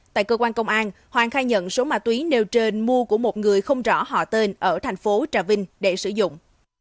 tại cơ quan công an hoàng khai nhận số ma túy nêu trên mua của một người không rõ họ tên ở thành phố trà vinh để sử dụng